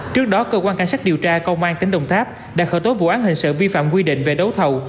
trước đó cơ quan cảnh sát điều tra công an tỉnh đồng tháp đã khởi tố vụ án hình sự vi phạm quy định về đấu thầu